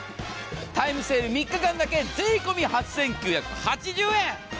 タイムセール３日間だけ税込み８９８０円。